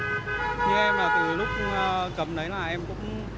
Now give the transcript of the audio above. nhưng em từ lúc cầm đấy là em cũng